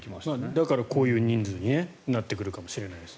だから、こういう人数になってくるかもしれないです。